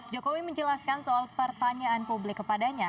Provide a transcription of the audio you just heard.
jokowi menjelaskan soal pertanyaan publik kepadanya